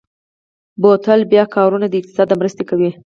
بوتل بیا کارونه د اقتصاد مرسته کوي.